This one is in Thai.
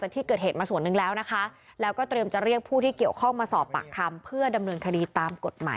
เพราะว่าอยากจะฉันด้วยหรือเปล่า